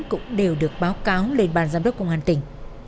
cũng đều được báo cáo lên bàn giám đốc công an tỉnh